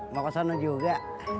mau kesana juga